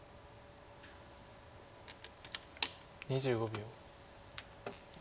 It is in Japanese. ２５秒。